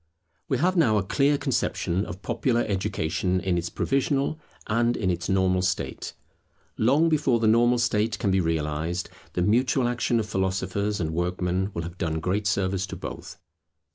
We have now a clear conception of popular education in its provisional, and in its normal state. Long before the normal state can be realized, the mutual action of philosophers and workmen will have done great service to both.